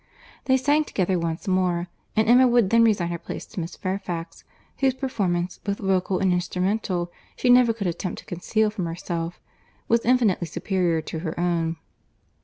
They sang together once more; and Emma would then resign her place to Miss Fairfax, whose performance, both vocal and instrumental, she never could attempt to conceal from herself, was infinitely superior to her own.